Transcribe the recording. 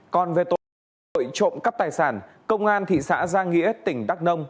còn về tội trộm cắp tài sản công an thị xã giang nghĩa tỉnh đắc nông